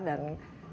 dan kalau kita lihat